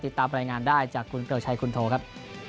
ติดตามรายงานได้จากคุณเกริกชัยคุณโทครับ